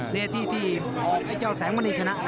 นี่ที่ที่ออกไอ้เจ้าแสงมณีชนะ